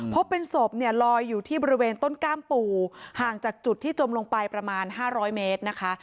พบเป็นศพเนี่ยลอยอยู่ที่บริเวณต้นก้ามปู่ห่างจากจุดที่จมลงไปประมาณ๕๐๐เมตรนะคะ